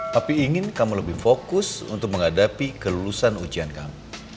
tapi ingin kamu lebih fokus untuk menghadapi kelulusan ujian kami